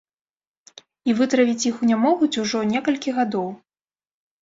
І вытравіць іх не могуць ужо некалькі гадоў.